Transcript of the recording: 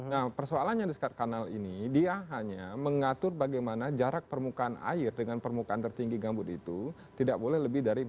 nah persoalannya di sekat kanal ini dia hanya mengatur bagaimana jarak permukaan air dengan permukaan tertinggi gambut itu tidak boleh lebih dari empat puluh